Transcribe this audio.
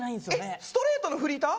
えっストレートのフリーター？